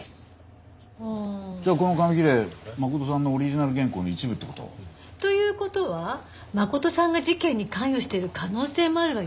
じゃあこの紙切れ真琴さんのオリジナル原稿の一部って事？という事は真琴さんが事件に関与している可能性もあるわよね。